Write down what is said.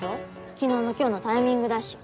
昨日の今日のタイミングだし。